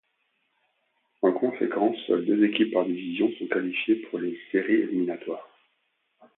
En conséquence, seules deux équipes par division sont qualifiées pour les séries éliminatoires.